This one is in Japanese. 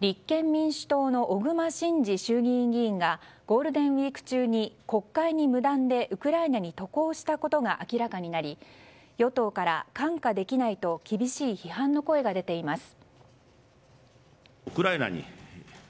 立憲民主党の小熊慎司衆議院議員がゴールデンウィーク中に国会に無断でウクライナに渡航したことが明らかになり与党から、看過できないと厳しい批判の声が出ています。